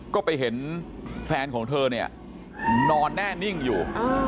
ก็ไปเห็นแฟนของเธอเนี่ยนอนแน่นิ่งอยู่